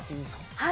はい。